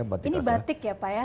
ini batik ya pak ya